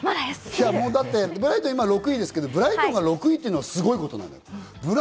だってブライトンは今６位ですけど、ブライトンは６位っていうのは、すごいことなの。